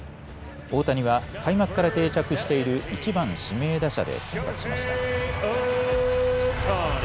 大谷は開幕から定着している１番・指名打者で先発しました。